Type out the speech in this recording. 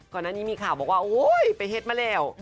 ก่อนหน้านี้มีข่าวบอกว่าโอ๊ยไปเฮ็ดมาแล้ว